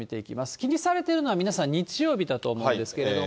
気にされているのは皆さん、日曜日だと思うんですけれども。